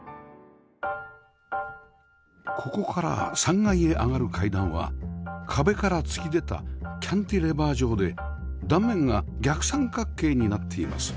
ここから３階へ上がる階段は壁から突き出たキャンティレバー状で断面が逆三角形になっています